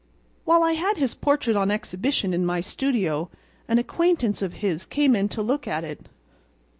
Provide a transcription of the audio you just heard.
While I had his portrait on exhibition in my studio an acquaintance of his came in to look at it.